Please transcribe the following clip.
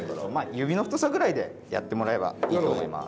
指の太さぐらいでやってもらえばいいと思います。